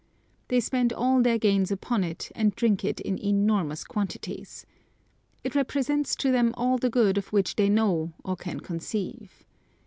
They spend all their gains upon it, and drink it in enormous quantities. It represents to them all the good of which they know, or can conceive.